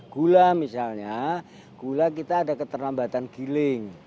gula misalnya gula kita ada keterlambatan giling